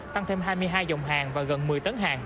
tăng thêm hai mươi hai dòng hàng và gần một mươi tấn hàng